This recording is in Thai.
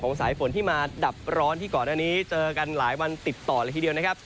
ของสายฝนที่มาดับร้อนที่ก่อนอันนี้เจอกันหลายวันติดต่อลิขาด